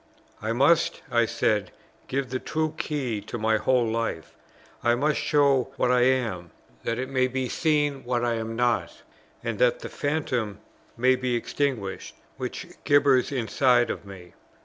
I must, I said, give the true key to my whole life; I must show what I am, that it may be seen what I am not, and that the phantom may be extinguished which gibbers instead of me.